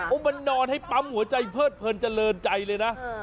มันนอนให้ปั๊มหัวใจเพิดเพลินเจริญใจเลยนะ